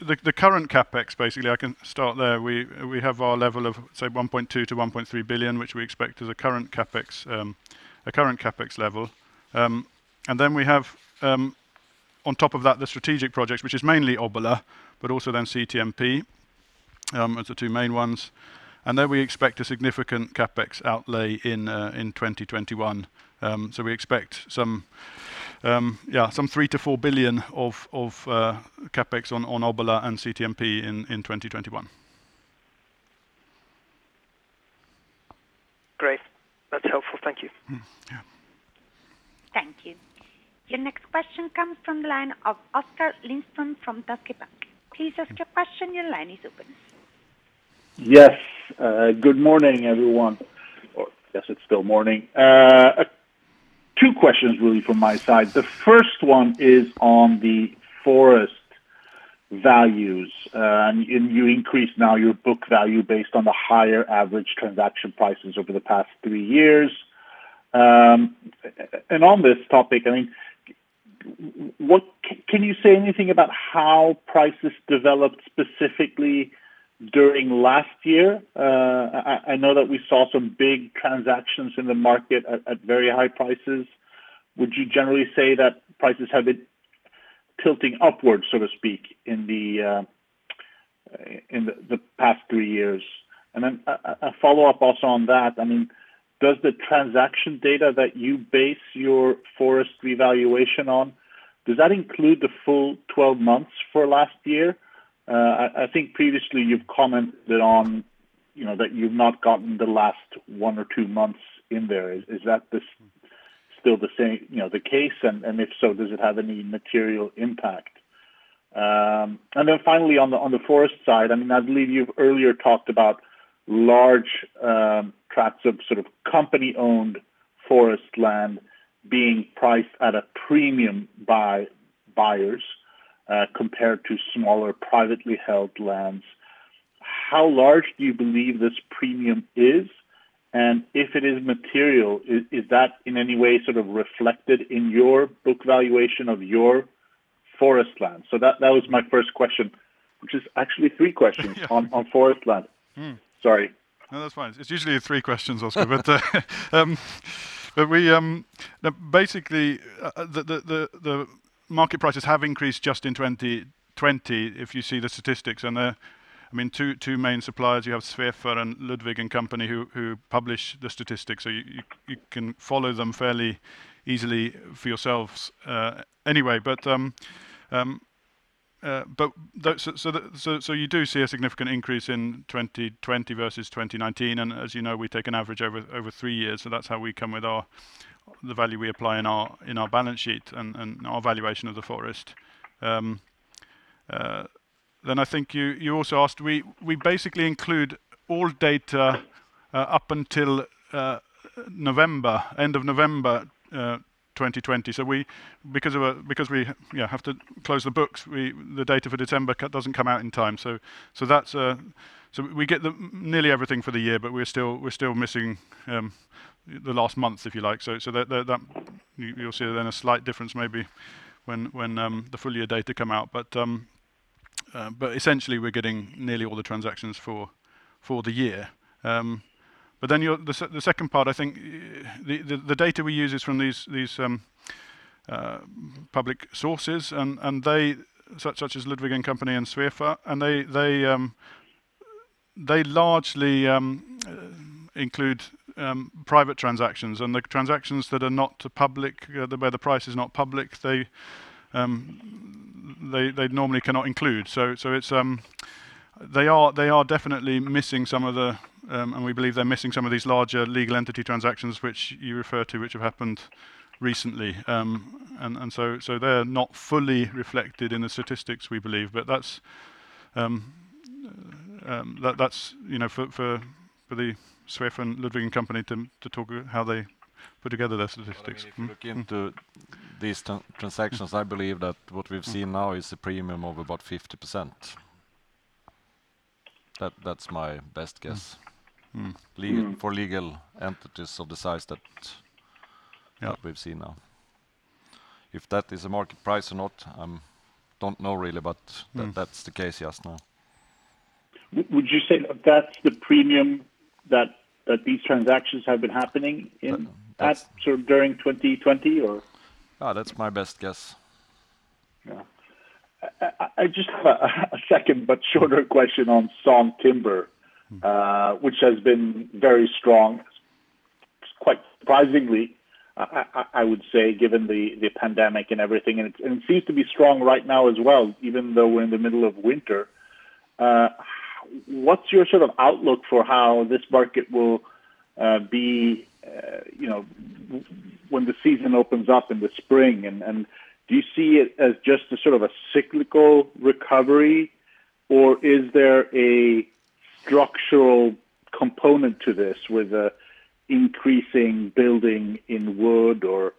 The current CapEx, basically, I can start there. We have our level of, say, 1.2 billion-1.3 billion, which we expect as a current CapEx level. We have, on top of that, the strategic projects, which is mainly Obbola, but also CTMP as the two main ones. We expect some 3 billion-4 billion of CapEx on Obbola and CTMP in 2021. Great. That's helpful. Thank you. Yeah. Thank you. Your next question comes from the line of Oskar Lindström from DNB. Yes. Good morning, everyone. Or I guess it's still morning. Two questions really from my side. The first one is on the forest values. You increase now your book value based on the higher average transaction prices over the past three years. On this topic, can you say anything about how prices developed specifically during last year? I know that we saw some big transactions in the market at very high prices. Would you generally say that prices have been tilting upwards, so to speak, in the past three years? Then a follow-up also on that. Does the transaction data that you base your forest revaluation on, does that include the full 12 months for last year? I think previously you've commented on that you've not gotten the last one or two months in there. Is that still the case? If so, does it have any material impact? Finally on the forest side, I believe you earlier talked about large tracts of company-owned forest land being priced at a premium by buyers compared to smaller privately held lands. How large do you believe this premium is? If it is material, is that in any way reflected in your book valuation of your forest land? That was my first question, which is actually three questions on forest land. Sorry. No, that's fine. It's usually three questions, Oskar. Basically, the market prices have increased just in 2020, if you see the statistics. Two main suppliers, you have Svefa and Ludvig & Co who publish the statistics, so you can follow them fairly easily for yourselves anyway. You do see a significant increase in 2020 versus 2019, and as you know, we take an average over three years, so that's how we come with the value we apply in our balance sheet and our valuation of the forest. I think you also asked, we basically include all data up until end of November 2020. Because we have to close the books, the data for December doesn't come out in time. We get nearly everything for the year, but we're still missing the last month, if you like. You'll see then a slight difference maybe when the full year data come out. Essentially, we're getting nearly all the transactions for the year. The second part, I think the data we use is from these public sources, such as Ludvig & Co and Svefa, and they largely include private transactions. The transactions where the price is not public, they normally cannot include. They are definitely missing, and we believe they're missing some of these larger legal entity transactions which you refer to, which have happened recently. They're not fully reflected in the statistics, we believe. That's for the Svefa and Ludvig & Co to talk how they put together their statistics. If we look into these transactions, I believe that what we've seen now is a premium of about 50%. That's my best guess. For legal entities of the size that we've seen now. If that is a market price or not, I don't know really, but that's the case just now. Would you say that that's the premium that these transactions have been happening in at sort of during 2020, or? That's my best guess. Yeah. I just have a second but shorter question on sawn timber, which has been very strong, quite surprisingly, I would say, given the pandemic and everything, and it seems to be strong right now as well, even though we're in the middle of winter. What's your outlook for how this market will be when the season opens up in the spring? Do you see it as just a cyclical recovery, or is there a structural component to this with increasing building in wood, or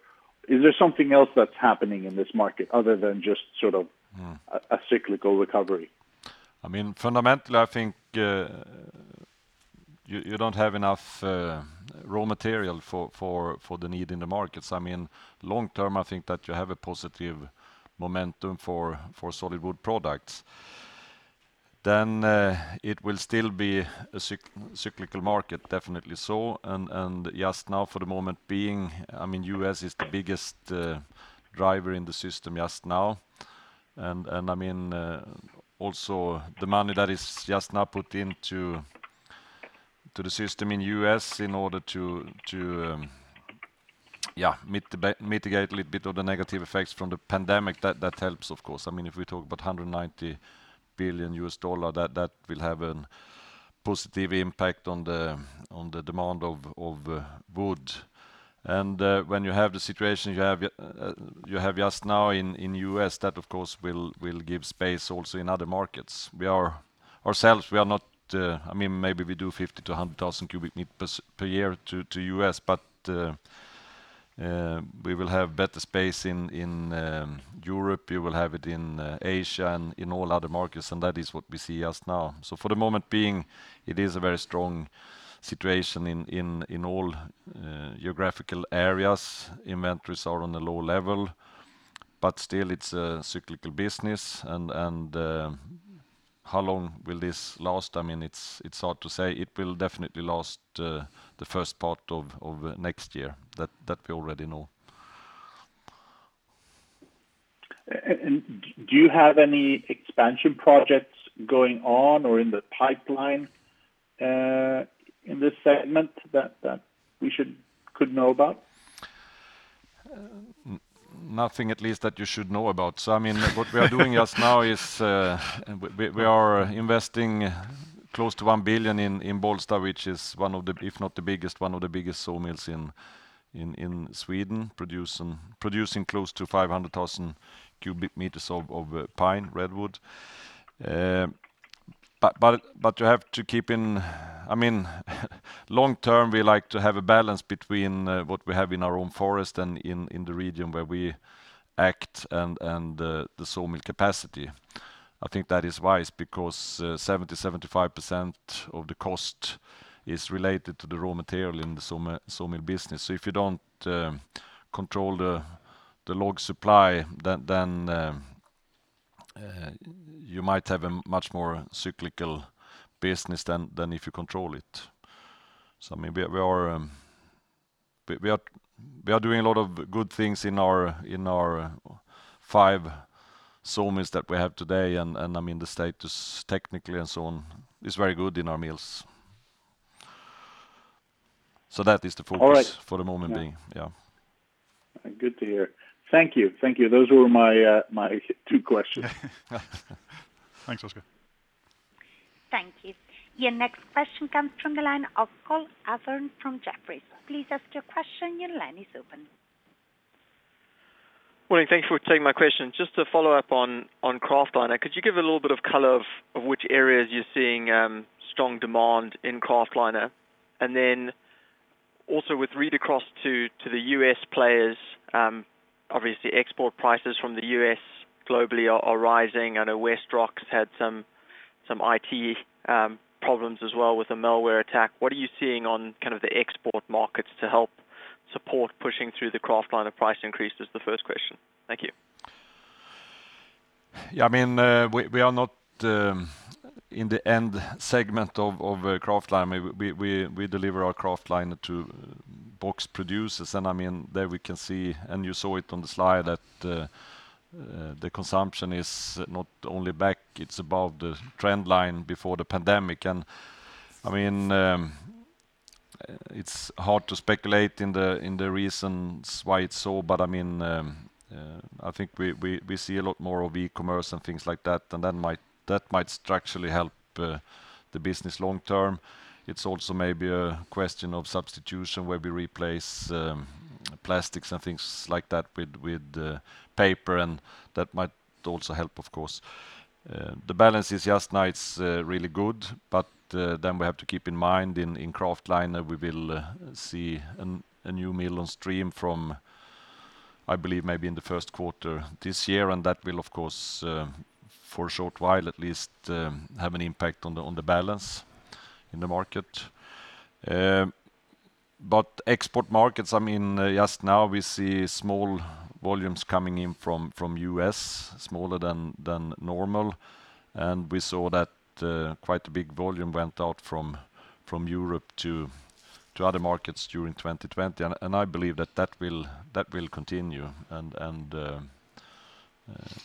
is there something else that's happening in this market other than just a cyclical recovery? Fundamentally, I think you don't have enough raw material for the need in the markets. Long term, I think that you have a positive momentum for solid wood products. It will still be a cyclical market, definitely so, and just now for the moment being, U.S. is the biggest driver in the system just now. Also the money that is just now put into the system in U.S. in order to mitigate a little bit of the negative effects from the pandemic, that helps, of course. If we talk about $190 billion, that will have a positive impact on the demand of wood. When you have the situation you have just now in U.S., that of course will give space also in other markets. We are ourselves, maybe we do 50,000 to 100,000 cubic meter per year to U.S. We will have better space in Europe, we will have it in Asia and in all other markets. That is what we see just now. For the moment being, it is a very strong situation in all geographical areas. Inventories are on a low level, but still it's a cyclical business, and how long will this last? It's hard to say. It will definitely last the first part of next year. That we already know. Do you have any expansion projects going on or in the pipeline in this segment that we could know about? Nothing at least that you should know about. What we are doing just now is we are investing close to 1 billion in Bollsta, which is one of, if not the biggest, one of the biggest sawmills in Sweden, producing close to 500,000 cubic meters of pine, redwood. Long term, we like to have a balance between what we have in our own forest and in the region where we act, and the sawmill capacity. I think that is wise because 70%, 75% of the cost is related to the raw material in the sawmill business. If you don't control the log supply, then you might have a much more cyclical business than if you control it. We are doing a lot of good things in our five sawmills that we have today, and the status technically and so on is very good in our mills. that is the focus- All right. for the moment being. Yeah. Good to hear. Thank you. Those were my two questions. Thanks, Oskar. Thank you. Your next question comes from the line of Cole Hathorn from Jefferies. Please ask your question. Your line is open. Morning. Thank you for taking my question. Just to follow up on kraftliner, could you give a little bit of color of which areas you're seeing strong demand in kraftliner? Then also with read-across to the U.S. players, obviously export prices from the U.S. globally are rising. I know WestRock's had some IT problems as well with a malware attack. What are you seeing on the export markets to help support pushing through the kraftliner price increase is the first question? Thank you. We are not in the end segment of kraftliner. We deliver our kraftliner to box producers, and there we can see, and you saw it on the slide, that the consumption is not only back, it's above the trend line before the pandemic. It's hard to speculate in the reasons why it's so, but I think we see a lot more of e-commerce and things like that, and that might structurally help the business long term. It's also maybe a question of substitution, where we replace plastics and things like that with paper, and that might also help, of course. The balance just now it's really good, but then we have to keep in mind in kraftliner, we will see a new mill on stream from, I believe, maybe in the first quarter this year, and that will, of course, for a short while at least, have an impact on the balance in the market. Export markets, just now we see small volumes coming in from U.S., smaller than normal, and we saw that quite a big volume went out from Europe to other markets during 2020. I believe that will continue, and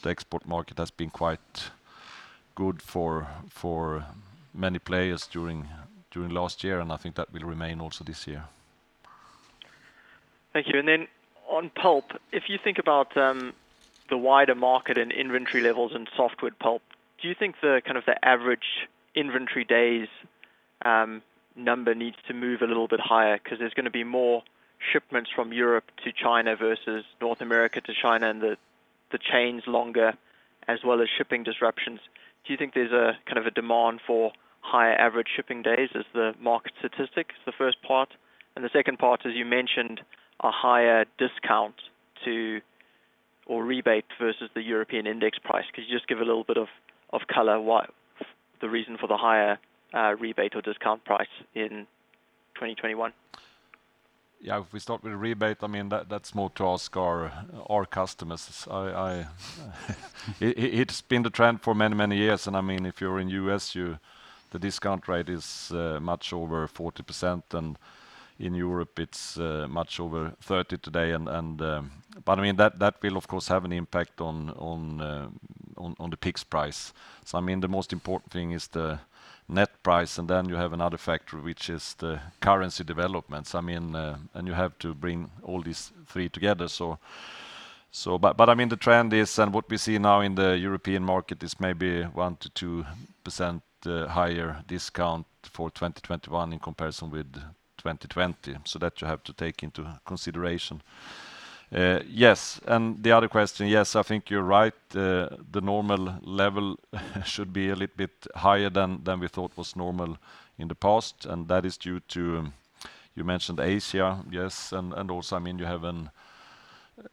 the export market has been quite good for many players during last year, and I think that will remain also this year. Thank you. Then on pulp, if you think about the wider market and inventory levels in softwood pulp, do you think the average inventory days number needs to move a little bit higher? Because there's going to be more shipments from Europe to China versus North America to China, and the chain's longer, as well as shipping disruptions. Do you think there's a demand for higher average shipping days as the market statistic? Is the first part. The second part is, you mentioned a higher discount to, or rebate versus the European index price. Could you just give a little bit of color why the reason for the higher rebate or discount price in 2021? Yeah. If we start with rebate, that's more to ask our customers. It's been the trend for many, many years, and if you're in U.S., the discount rate is much over 40%, and in Europe it's much over 30% today. That will, of course, have an impact on the peak price. The most important thing is the net price, and then you have another factor, which is the currency developments. You have to bring all these three together. The trend is, and what we see now in the European market is maybe 1%-2% higher discount for 2021 in comparison with 2020. That you have to take into consideration. Yes, the other question, yes, I think you're right. The normal level should be a little bit higher than we thought was normal in the past. That is due to, you mentioned Asia, yes. Also, you have a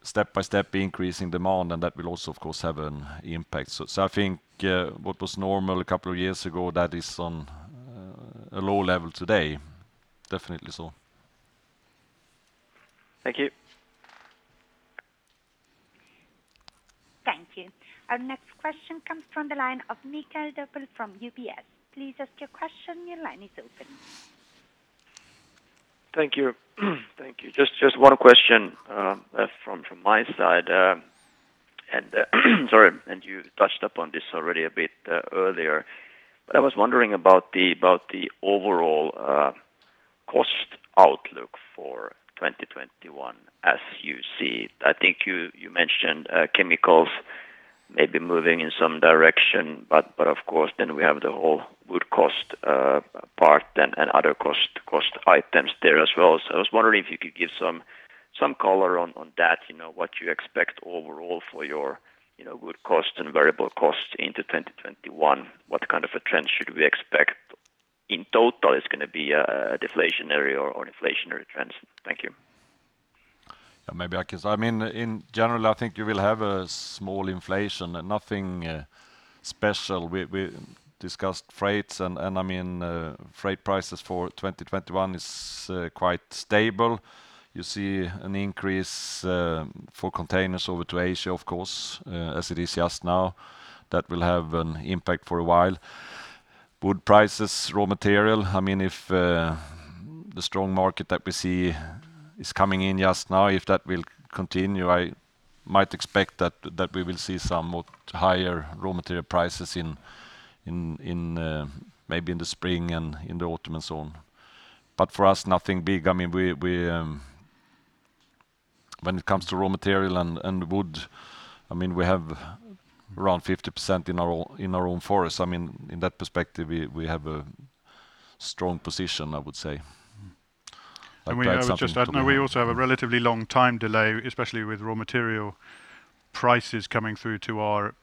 step-by-step increase in demand, and that will also, of course, have an impact. I think what was normal a couple of years ago, that is on a low level today. Definitely so. Thank you. Thank you. Our next question comes from the line of Mikael Doepel from UBS. Please ask your question. Your line is open. Thank you. Just one question from my side, and sorry, and you touched upon this already a bit earlier. I was wondering about the overall cost outlook for 2021 as you see it? I think you mentioned chemicals may be moving in some direction, but of course, then we have the whole wood cost part and other cost items there as well. I was wondering if you could give some color on that, what you expect overall for your wood cost and variable costs into 2021. What kind of a trend should we expect in total? Is it going to be a deflationary or an inflationary trend? Thank you. In general, I think you will have a small inflation. Nothing special. We discussed freight prices for 2021 is quite stable. You see an increase for containers over to Asia, of course, as it is just now. That will have an impact for a while. Wood prices, raw material, if the strong market that we see is coming in just now, if that will continue, I might expect that we will see somewhat higher raw material prices maybe in the spring and in the autumn and so on. For us, nothing big. When it comes to raw material and wood, we have around 50% in our own forests. In that perspective, we have a strong position, I would say. I'd add something to that. We also have a relatively long time delay, especially with raw material prices coming through to our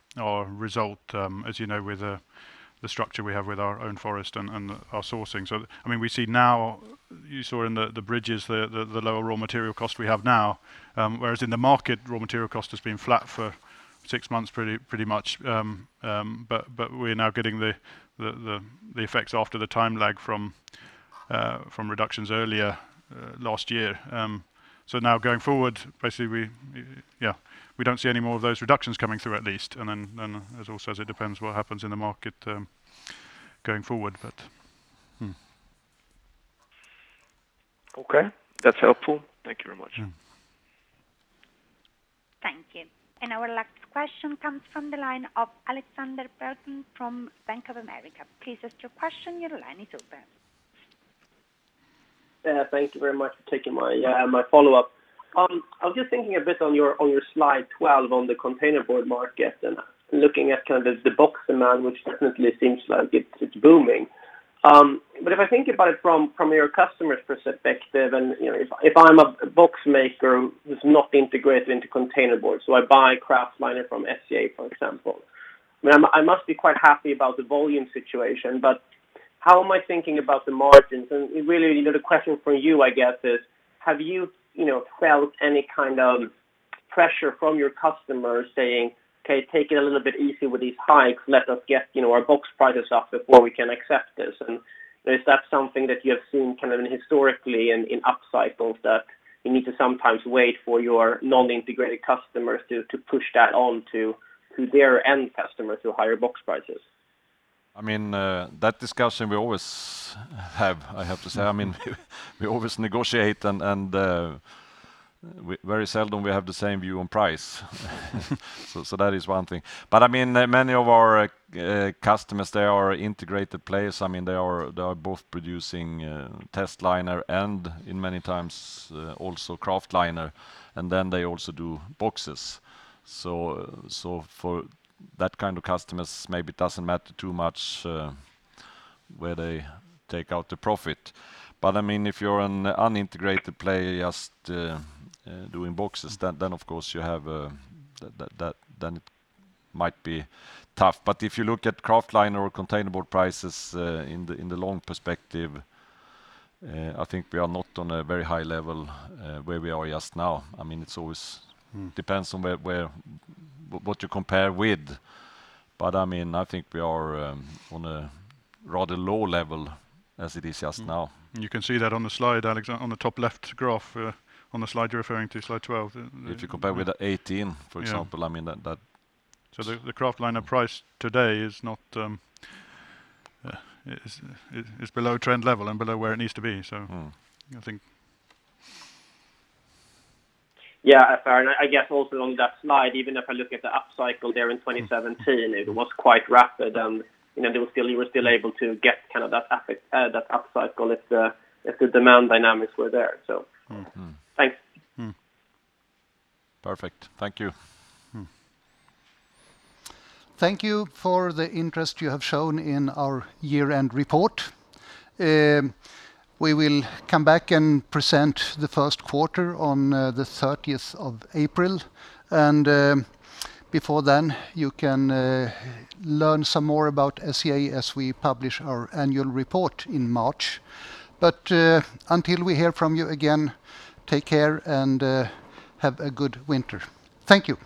result, as you know, with the structure we have with our own forest and our sourcing. You saw in the bridges the lower raw material cost we have now, whereas in the market, raw material cost has been flat for six months, pretty much. We're now getting the effects after the time lag from reductions earlier last year. Now going forward, basically, we don't see any more of those reductions coming through, at least. Then, as always, it depends what happens in the market going forward. Okay. That's helpful. Thank you very much. Thank you. Our last question comes from the line of Alexander Berglund from Bank of America. Please ask your question. Your line is open. Thank you very much for taking my follow-up. I was just thinking a bit on your slide 12 on the containerboard market and looking at the box demand, which definitely seems like it's booming. If I think about it from your customer's perspective, and if I'm a box maker who's not integrated into containerboard, so I buy kraftliner from SCA, for example. I must be quite happy about the volume situation, but how am I thinking about the margins? Really, the question for you, I guess, is have you felt any kind of pressure from your customers saying, "Okay, take it a little bit easy with these hikes. Let us get our box prices up before we can accept this"? Is that something that you have seen historically in up cycles, that you need to sometimes wait for your non-integrated customers to push that on to their end customers to higher box prices? That discussion we always have, I have to say. We always negotiate, and very seldom we have the same view on price. That is one thing. Many of our customers, they are integrated players. They are both producing testliner and, in many times, also kraftliner, and then they also do boxes. For that kind of customers, maybe it doesn't matter too much where they take out the profit. If you're an unintegrated player just doing boxes, then, of course, that might be tough. If you look at kraftliner or containerboard prices in the long perspective, I think we are not on a very high level where we are just now. It always depends on what you compare with, but I think we are on a rather low level as it is just now. You can see that on the slide, Alex, on the top left graph on the slide you're referring to, slide 12. If you compare with 2018, for example. The kraftliner price today is below trend level and below where it needs to be. I think. Yeah, fair. I guess also on that slide, even if I look at the up cycle there in 2017, it was quite rapid, and you were still able to get that up cycle if the demand dynamics were there. Thanks. Perfect. Thank you. Thank you for the interest you have shown in our year-end report. We will come back and present the first quarter on the 30th of April. Before then, you can learn some more about SCA as we publish our annual report in March. Until we hear from you again, take care, and have a good winter. Thank you.